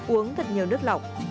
uống thật nhiều nước lọc